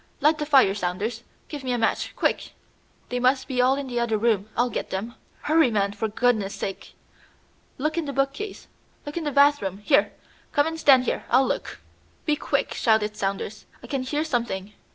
Light the fire, Saunders. Give me a match, quick!" "They must be all in the other room. I'll get them." "Hurry, man, for goodness' sake! Look in the bookcase! Look in the bathroom! Here, come and stand here; I'll look." "Be quick!" shouted Saunders. "I can hear something!"